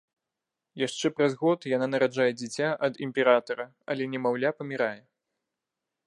Яшчэ праз год яна нараджае дзіця ад імператара, але немаўля памірае.